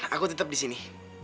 aku tetap di sini